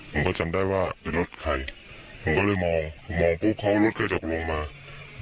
ผมก็จำได้ว่าเป็นรถใครผมก็เลยมองมองปุ๊บเขารถกระจกลงมา